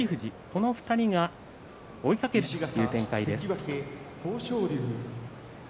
この２人が追いかけるという展開です。